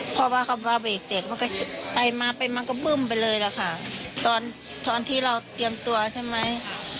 เพราะว่าเขามาเบรกแตกมันก็ไปมาไปมาก็บึ้มไปเลยล่ะค่ะตอนตอนที่เราเตรียมตัวใช่ไหม